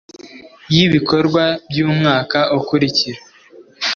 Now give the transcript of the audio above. y ibikorwa by umwaka ukurikira